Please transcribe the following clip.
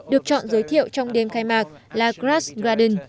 được chọn giới thiệu trong đêm khai mạc là grass graden